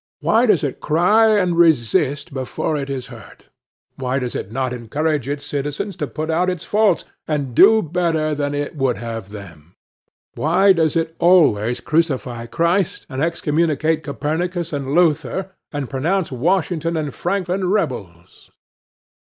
Why does it cry and resist before it is hurt? Why does it not encourage its citizens to be on the alert to point out its faults, and do better than it would have them? Why does it always crucify Christ, and excommunicate Copernicus and Luther, and pronounce Washington and Franklin rebels?